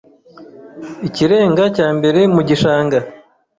ikirenga cya mbere mu gishanga